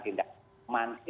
karena kalau sampai